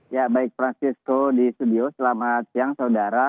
ya baik francisco di studio selamat siang saudara